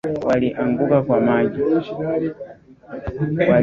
Walianguka kwa maji.